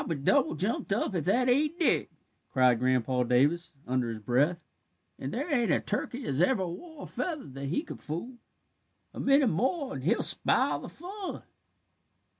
"I'll be double jumped up if that ain't Dick!" cried Grandpa Davis, under his breath. "And there ain't a turkey as ever wore a feather that he could fool. A minute more, and he'll spile the fun.